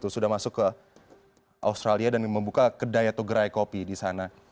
sudah masuk ke australia dan membuka kedai atau gerai kopi di sana